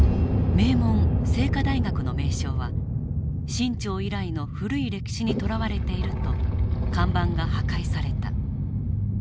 名門清華大学の名称は清朝以来の古い歴史にとらわれていると看板が破壊された。